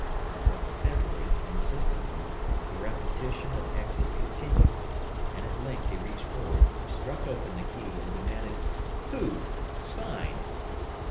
But steadily, insistently, the repetition of X's continued, and at length he reached forward, struck open the key, and demanded, "Who? Sign!"